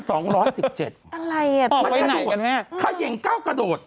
ออกไปไหนกันแม่